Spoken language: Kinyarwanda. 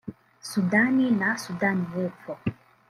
Sudani na Sudani y'epfo